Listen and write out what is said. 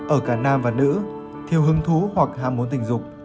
ở cả nam và nữ thiêu hứng thú hoặc ham muốn tình dục